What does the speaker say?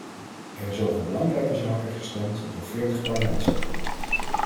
Er is over belangrijke zaken gestemd door veertig parlementsleden.